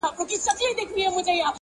مينځه چي توده سي، هلته بيده سي.